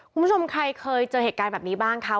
คุณผู้ชมใครเคยเจอเหตุการณ์แบบนี้บ้างคะ